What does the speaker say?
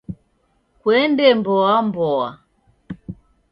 Kuende mboa mboa